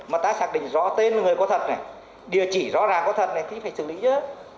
mà ta xác minh rõ tên là người có thật này địa chỉ rõ ràng có thật này thì phải xử lý chứ